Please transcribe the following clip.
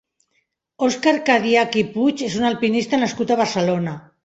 Òscar Cadiach i Puig és un alpinista nascut a Barcelona.